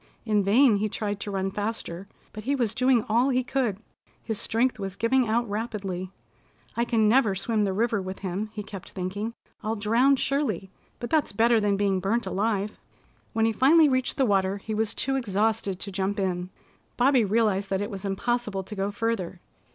In vain he tried to run faster, but he was doing all he could. His strength was giving out rapidly. "I can never swim the river with him," he kept thinking. "I'll drown surely, but that's better than being burnt alive." When he finally reached the water he was too exhausted to jump in. Bobby realized that it was impossible to go further.